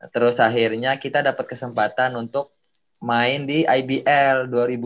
terus akhirnya kita dapat kesempatan untuk main di ibl dua ribu sepuluh